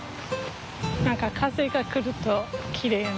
何か風が来るときれいやな。